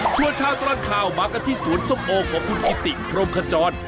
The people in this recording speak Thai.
ชั่วชาติร้านข้าวมากันที่สวนสมโอของบุญพิติคโครมชะจร